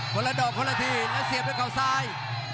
คนละดอกคนละทีแล้วเสียบด้วยเขาซ้าย